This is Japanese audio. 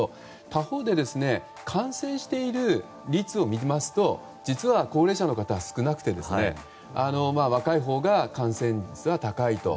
他方で感染している率を見ますと実は、高齢者の方は少なくて若いほうが感染率が高いと。